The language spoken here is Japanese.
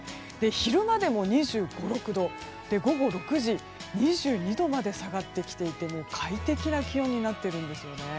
昼間でも２５２６度午後６時、２２度まで下がって快適な気温になっているんですね。